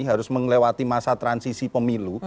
harus melewati masa transisi pemilu